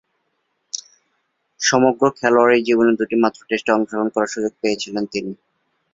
সমগ্র খেলোয়াড়ী জীবনে দুইটিমাত্র টেস্টে অংশগ্রহণ করার সুযোগ পেয়েছিলেন তিনি।